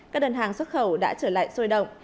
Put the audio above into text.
các đơn hàng xuất khẩu đã trở lại sôi động